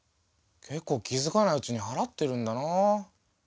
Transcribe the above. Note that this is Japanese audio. けっこう気づかないうちに払ってるんだなあ。